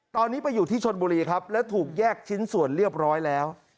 ตอนนี้ไปอยู่ที่ชนบุรีครับแล้วถูกแยกชิ้นส่วนเรียบร้อยแล้ว